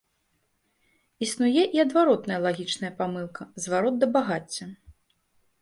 Існуе і адваротная лагічная памылка, зварот да багацця.